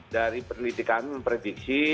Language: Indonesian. dari penelitikan prediksi